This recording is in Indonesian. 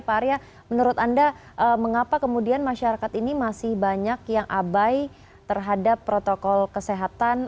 pak arya menurut anda mengapa kemudian masyarakat ini masih banyak yang abai terhadap protokol kesehatan